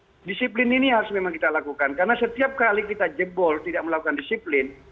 nah disiplin ini harus memang kita lakukan karena setiap kali kita jebol tidak melakukan disiplin